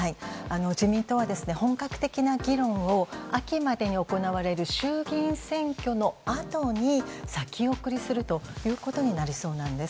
自民党は本格的な議論を秋までに行われる衆議院選挙のあとに先送りするということになりそうです。